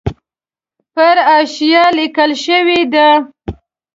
پر حاشیه لیکل شوې ده.